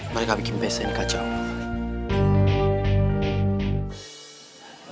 mereka bikin pesta ini kacau